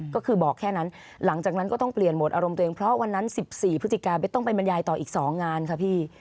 ก็คือบอกแค่นั้นหลังจากนั้นก็ต้องเปลี่ยนหมดอารมณ์ตัวเองเพราะวันนั้น๑๔พฤศจิกาไม่ต้องไปบรรยายต่ออีก๒งานค่ะพี่